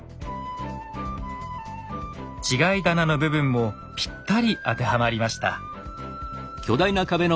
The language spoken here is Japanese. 違い棚の部分もぴったり当てはまりました。